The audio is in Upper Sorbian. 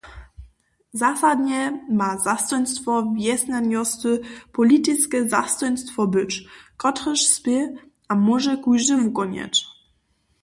Zasadnje ma zastojnstwo wjesnjanosty politiske zastojnstwo być, kotrež smě a móže kóždy wukonjeć.